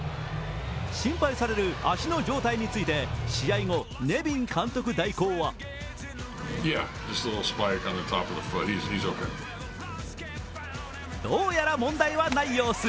心配される足の状態について試合後、ネビン監督代行はどうやら問題はない様子。